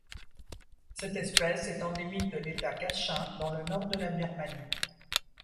Cette espèce est endémique de l'État Kachin dans le nord de la Birmanie.